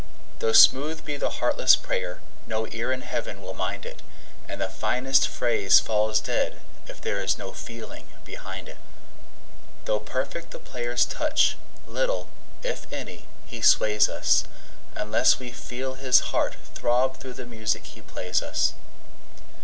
Though smooth be the heartless prayer, no ear in Heaven will mind it, And the finest phrase falls dead if there is no feeling behind it. Though perfect the player's touch, little, if any, he sways us, Unless we feel his heart throb through the music he plays us.